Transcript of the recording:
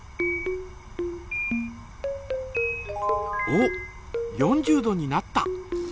おっ４０度になった。